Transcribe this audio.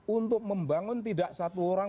untuk membangun tidak satu orang